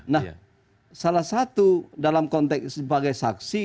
nah salah satu dalam konteks sebagai saksi